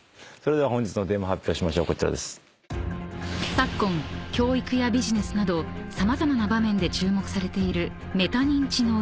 ［昨今教育やビジネスなど様々な場面で注目されている］